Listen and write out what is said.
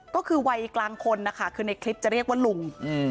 ก็คือวัยกลางคนนะคะคือในคลิปจะเรียกว่าลุง